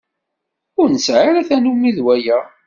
Ur nesɛi ara tanumi d waya.